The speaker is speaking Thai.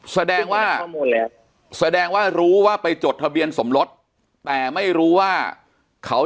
แสดงว่าแสดงว่ารู้ว่าไปจดทะเบียนสมรสแต่ไม่รู้ว่าเขา